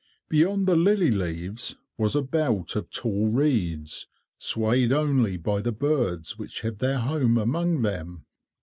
Beyond the lily leaves was a belt of tall reeds, swayed only by the birds which have their home among them.